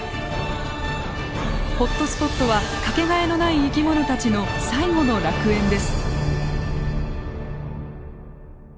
ホットスポットは掛けがえのない生き物たちの最後の楽園です。